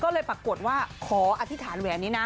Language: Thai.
ก็เลยปรากฏว่าขออธิษฐานแหวนนี้นะ